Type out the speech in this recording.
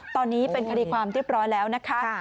ตอนนี้เป็นคดีความเรียบร้อยแล้วนะคะ